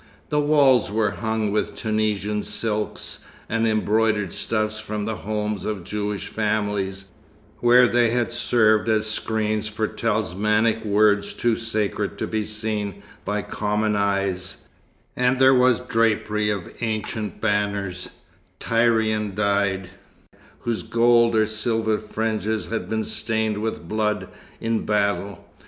The walls were hung with Tunisian silks and embroidered stuffs from the homes of Jewish families, where they had served as screens for talismanic words too sacred to be seen by common eyes; and there was drapery of ancient banners, Tyrian dyed, whose gold or silver fringes had been stained with blood, in battle.